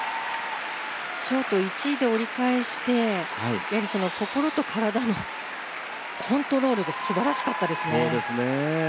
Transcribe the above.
ショート１位で折り返して心と体のコントロールが素晴らしかったですね。